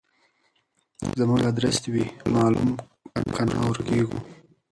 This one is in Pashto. زموږ ادرس دي وي معلوم کنه ورکیږو